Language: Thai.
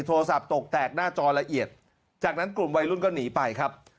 โทรศัพท์ตกแตกหน้าจอละเอียดจากนั้นกลุ่มวัยรุ่นก็หนีไปครับ